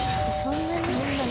そんなに！？